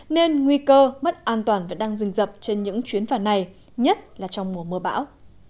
nên nguy cơ mất an toàn vẫn đang dình dập trên những chuyến phà này nhất là trong mùa mưa bão